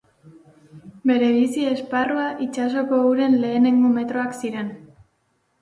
Bere bizi esparrua itsasoko uren lehenengo metroak ziren.